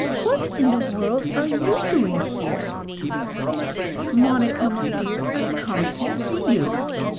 "What in the world are you doing here?" "Monica, my dear, I've come to see you.